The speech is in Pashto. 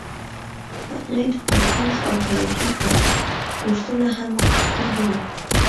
هغې د قرآن او خیاطۍ کورسونه هم کړي وو